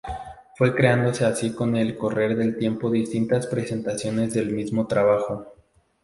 Fue creándose así con el correr del tiempo distintas presentaciones del mismo trabajo.